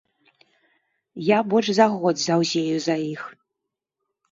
Я больш за год заўзею за іх.